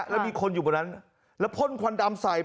แล้วมีคนอยู่บนนั้นแล้วพ่นควันดำใส่